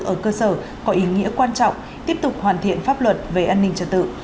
ở cơ sở có ý nghĩa quan trọng tiếp tục hoàn thiện pháp luật về an ninh trật tự